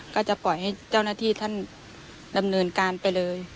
ก็จะปล่อยให้เจ้าหน้าที่ท่านดำเนินการไปเลย